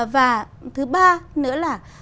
và thứ ba nữa là